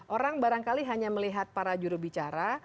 orang barangkali hanya melihat para jurubicara